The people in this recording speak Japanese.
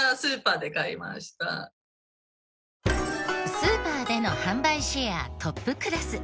スーパーでの販売シェアトップクラス